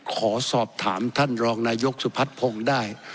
ขอสอบถามท่านรองนายกสุพัฒน์พงศ์ได้